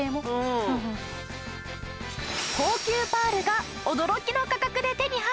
高級パールが驚きの価格で手に入る。